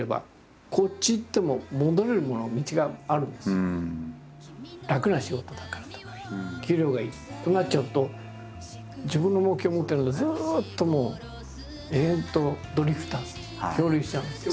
やっぱり「楽な仕事だから」とか「給料がいい」となっちゃうと自分の目標を持ってないとずっともう延々とドリフターズ漂流しちゃうんですよ。